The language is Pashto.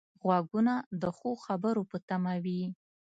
غوږونه د ښو خبرو په تمه وي